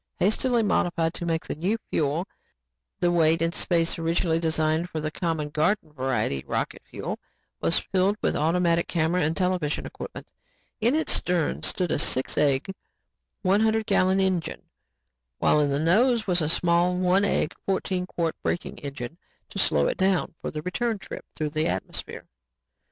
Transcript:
Hastily modified to take the new fuel, the weight and space originally designed for the common garden variety of rocket fuel was filled with automatic camera and television equipment. In its stern stood a six egg, one hundred gallon engine, while in the nose was a small, one egg, fourteen quart braking engine to slow it down for the return trip through the atmosphere.